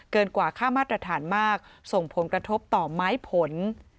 กว่าค่ามาตรฐานมากส่งผลกระทบต่อไม้ผล